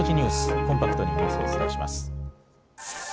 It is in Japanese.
コンパクトにニュースをお伝えします。